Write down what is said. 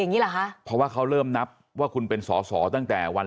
อย่างนี้เหรอคะเพราะว่าเขาเริ่มนับว่าคุณเป็นสอสอตั้งแต่วัน